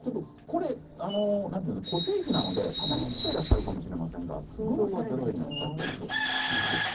固定費なのでたまに切ってらっしゃるかもしれませんが通常は０円ということです。